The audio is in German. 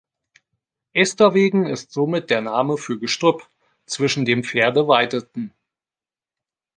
Esterwegen ist somit der Name für Gestrüpp, zwischen dem Pferde weideten.